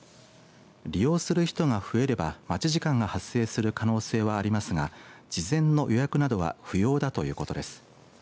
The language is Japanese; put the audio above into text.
利用する人が増えれば待ち時間が発生する可能性はありますが事前の予約などは不要だということです。